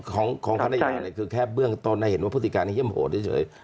ของข้าในอย่างนั้นคือแค่เบื้องตอนนั้นเห็นว่าพฤติการนี้เยี่ยมโหดเฉย